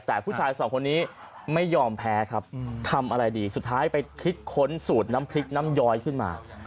แต่ผู้ชายสองคนนี้ไม่ยอมแพ้ครับทำอะไรดีสุดท้ายไปคิดค้นสูตรน้ำพริกน้ำย้อยขึ้นมา